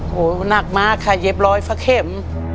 โอ้โหหนักมากค่ะเย็บร้อยสักเข็ม